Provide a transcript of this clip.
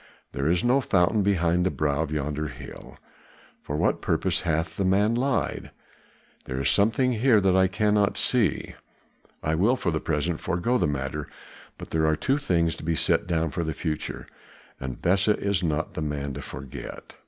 There is no fountain behind the brow of yonder hill. For what purpose hath the man lied? There is something here that I cannot see. I will for the present forego the matter, but there are two things to be set down for the future, and Besa is not the man to forget."